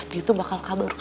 dia tuh bakal kabur